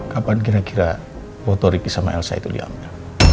kapan kira kira foto ricky sama elsa itu diambil